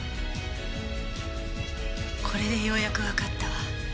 これでようやくわかったわ。